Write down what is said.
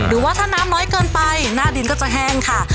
หรือว่าถ้าน้ำน้อยเกินไปหน้าดินก็จะแห้งค่ะ